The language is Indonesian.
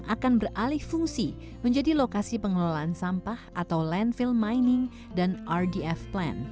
akan beralih fungsi menjadi lokasi pengelolaan sampah atau landfill mining dan rdf plan